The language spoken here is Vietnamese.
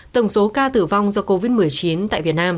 tổng số ca tử vong do covid một mươi chín tại việt nam